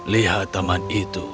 lihat taman itu